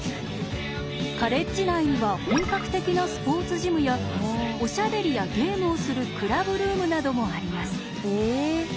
カレッジ内には本格的なスポーツジムやおしゃべりやゲームをするクラブルームなどもあります。